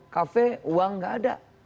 kafe uang tidak ada